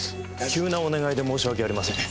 急なお願いで申し訳ありません。